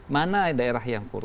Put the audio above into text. mana daerah yang korupsi